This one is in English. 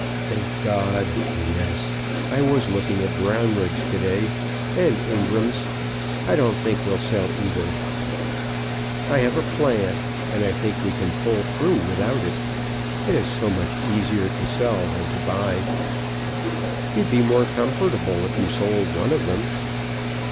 "Thank God; yes. I was looking at Brownriggs to day, and Ingram's. I don't think we'll sell either. I have a plan, and I think we can pull through without it. It is so much easier to sell than to buy." "You'd be more comfortable if you sold one of them."